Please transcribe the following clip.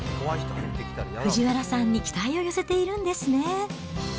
藤原さんに期待を寄せているんですね。